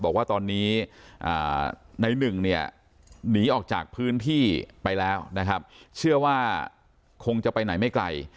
บอกว่าตอนนี้ในหนึ่งเนี่ยหนีออกจากพื้นที่ไปแล้วนะครับเชื่อว่าคงจะไปไหนไม่ไกล